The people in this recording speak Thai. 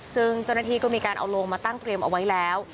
ซึ่งเจ้าหน้าที่ก็มีการเอาโลงมาตั้งเตรียมเอาไว้แล้ว